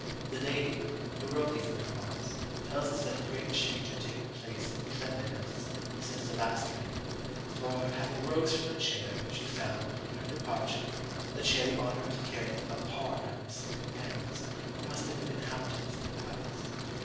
The lady, who wrote these memoirs, tells us that a great change had taken place in cleanliness, since the last reign; for, having rose from her chair, she found, on her departure, that she had the honour of carrying upon her some companions who must have been inhabitants of the palace.